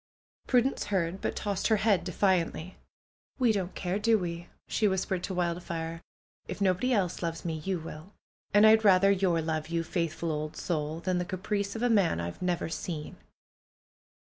Prudence heard, but tossed her head defiantly. '^We don't care, do w^e?" she whispered to Wildfire, nobody else loves me, you will. And I'd rather your love, you faithful old soul! than the caprice of a man I've never seen!"